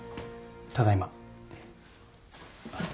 ただいま。